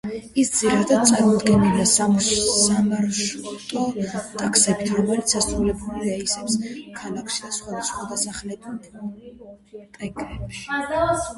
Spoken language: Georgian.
ის ძირითადად წარმოდგენილია სამარშრუტო ტაქსებით, რომლებიც ასრულებენ რეისებს ქალაქში და სხვა დასახლებულ პუნქტებში.